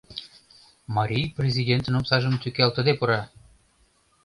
Марий президентын омсажым тӱкалтыде пура!